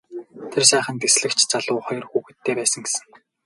Тэр сайхан дэслэгч залуу хоёр хүүхэдтэй байсан гэсэн.